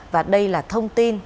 và đây là thông tin